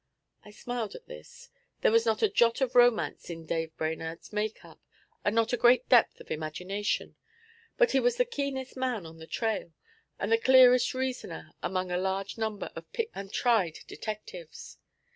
I smiled at this. There was not a jot of romance in Dave Brainerd's make up, and not a great depth of imagination; but he was the keenest man on a trail, and the clearest reasoner among a large number of picked and tried detectives.